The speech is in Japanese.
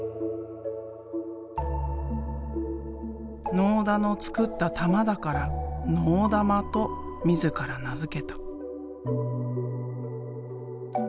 納田の作った玉だから「のうだま」と自ら名付けた。